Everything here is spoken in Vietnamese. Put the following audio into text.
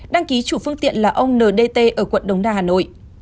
đăng ký chủ phương tiện là ông ndt ở quận đống đa hà nội